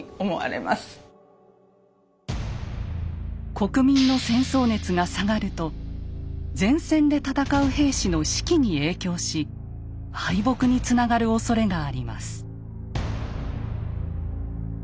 国民の戦争熱が下がると前線で戦う兵士の士気に影響し敗北につながるおそれがあります。